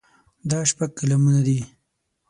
دا شپږ قلمونه دي.